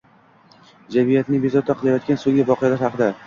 Jamiyatni bezovta qilayotgan so‘nggi voqealar haqida